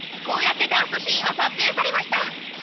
こうやってダンスシーンは撮影されました。